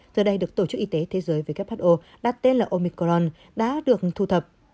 giờ đây được tổ chức y tế thế giới who đặt tên là omicron đã được thu thập